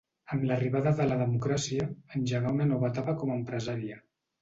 Amb l'arribada de la democràcia, engegà una nova etapa com a empresària.